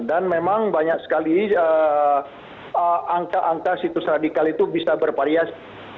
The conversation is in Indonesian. dan memang banyak sekali angka angka situs radikal itu bisa bervariasi